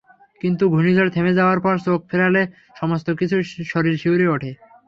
কিন্তু ঘূর্ণিঝড় থেমে যাওয়ার পর চোখ ফিরালে সমস্ত শরীর শিউরে ওঠে।